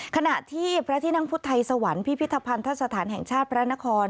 ขณะที่พระที่นั่งพุทธไทยสวรรค์พิพิธภัณฑสถานแห่งชาติพระนคร